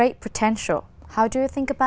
tôi tự hào